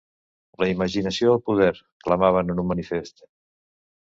"La imaginació al poder", clamaven en un manifest.